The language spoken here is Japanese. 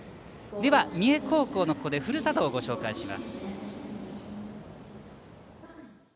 では三重高校のふるさとをご紹介します。